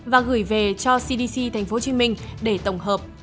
và gửi về cho cdc tp hcm để tổng hợp